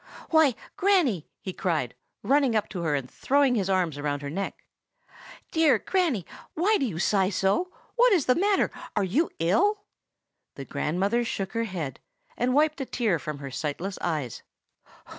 "Why, Granny!" he cried, running up to her and throwing his arms round her neck. "Dear Granny, why do you sigh so? What is the matter? Are you ill?" The grandmother shook her head, and wiped a tear from her sightless eyes.